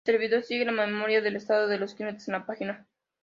El servidor sigue la memoria del estado de los clientes en la página.